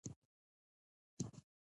د ژبې زده کړه باید اسانه او خوندوره وي.